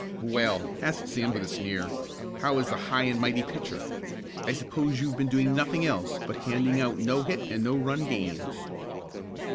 "Well," asked Sam with a sneer, "how is the high and mighty pitcher? I suppose you've been doing nothing else but handing out no hit and no run games?"